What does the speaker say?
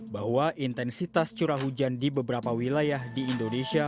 bahwa intensitas curah hujan di beberapa wilayah di indonesia